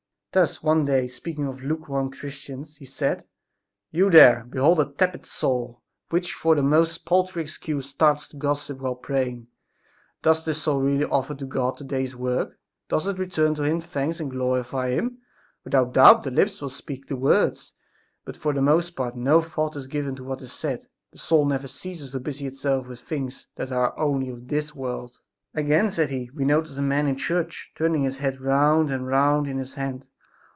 Thus, one day, speaking of lukewarm Christians, he said: "You there behold a tepid soul, which for the most paltry excuse starts to gossip while praying. Does this soul really offer to God the day's work? Does it return Him thanks and glorify Him? Without doubt the lips will speak the words, but for the most part no thought is given to what is said. The soul never ceases to busy itself with the things that are only of this world." "Again," said he, "we notice a man in church, turning his hat round and round in his hand.